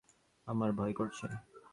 আমার ভয় করছে।